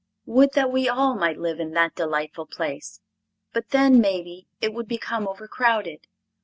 Would that we all might live in that delightful place! but then, maybe, it would become overcrowded.